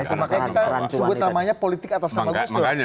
itu makanya kita sebut namanya politik atas nama gus dur